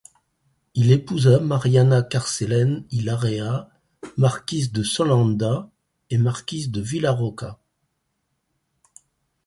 Il épousa Maríana Carcelén y Larrea, marquise de Solanda et marquise de Villarrocha.